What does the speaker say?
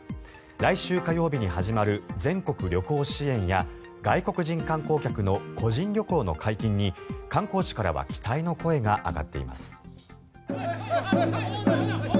来週火曜日に始まる全国旅行支援や外国人観光客の個人旅行の解禁に観光地からは期待の声が上がっています。